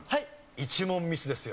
１問ミスですよ。